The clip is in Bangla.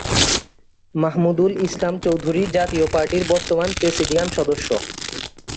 মাহমুদুল ইসলাম চৌধুরী জাতীয় পার্টির বর্তমান প্রেসিডিয়াম সদস্য।